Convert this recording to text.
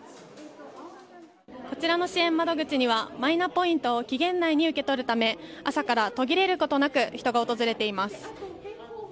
こちらの支援窓口にはマイナポイントを期限内に受け取るため朝から途切れることなく人が訪れています。